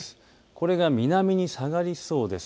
これが南に下がりそうです。